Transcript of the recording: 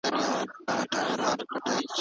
پدغسي خبرو کي احتياط پکار دی.